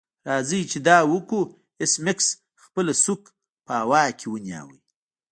راځئ چې دا وکړو ایس میکس خپله سوک په هوا کې ونیو